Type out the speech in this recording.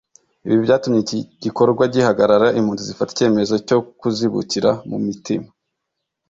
Ibi byatumye iki gikorwa gihagarara impunzi zifata icyemezo cyo kuzibukira mu mitima